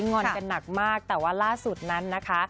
งอนกันหนักมากแต่ว่าล่าสุดนั้นนะคะ